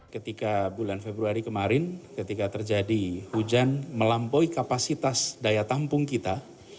ketika bulan februari kemarin ketika terjadi hujan melampaui kapasitas daya tampung kita